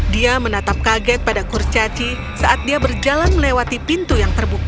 dia menatap kaget pada kurcaci saat dia berjalan melewati pintu yang terbuka